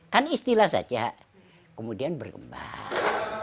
kan istilah saja kemudian berkembang